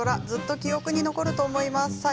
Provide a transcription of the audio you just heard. ずっと記憶に残ると思います。